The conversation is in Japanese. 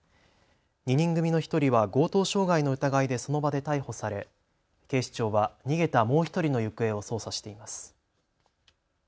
２人組の１人は強盗傷害の疑いでその場で逮捕され警視庁は逃げたもう１人の行方を捜査しています。